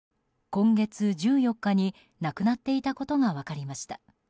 今月１４日に亡くなっていたことが分かりました。